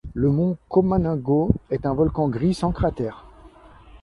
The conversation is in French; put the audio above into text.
Le mont Komanago est un volcan gris sans cratère.